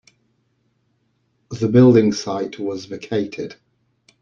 The building site was vacated.